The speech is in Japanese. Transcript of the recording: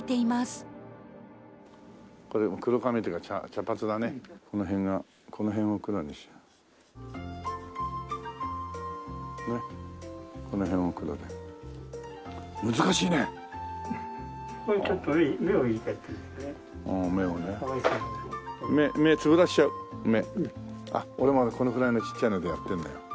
あっ俺もこのくらいのちっちゃいのでやってんだよ。